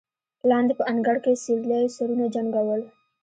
لاندې په انګړ کې سېرليو سرونه جنګول.